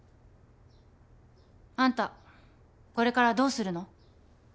あんたこれからどうするの？